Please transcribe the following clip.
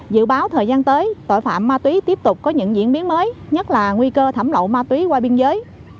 dự báo thời gian tới tội phạm ma túy tiếp tục có những diễn biến mới nhất là nguy cơ thảm lộ ma túy qua biên giới